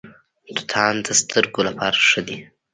توتان د سترګو لپاره ښه دي.